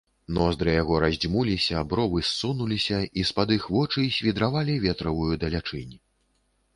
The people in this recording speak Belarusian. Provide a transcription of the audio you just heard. Ноздры яго раздзьмуліся, бровы ссунуліся, і з-пад іх вочы свідравалі ветравую далячынь.